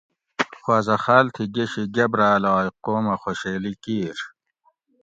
خوازہ خال تھی گِشی گبرالاۓ قومہ خوشیلی کیر